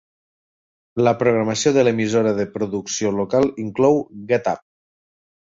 La programació de l'emissora de producció local inclou Get Up!